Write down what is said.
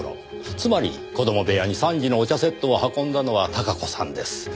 つまり子供部屋に３時のお茶セットを運んだのは孝子さんです。